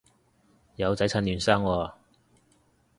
有仔趁嫩生喎